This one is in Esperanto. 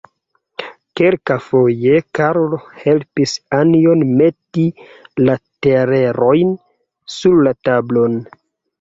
Kelkafoje Karlo helpis Anjon meti la telerojn sur la tablon.